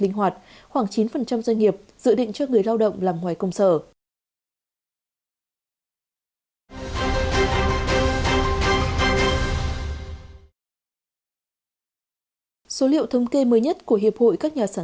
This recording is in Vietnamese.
linh hoạt khoảng chín doanh nghiệp dự định cho người lao động làm ngoài công sở